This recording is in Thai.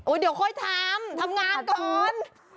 เดี๋ยวค่อยทำทำงานก่อน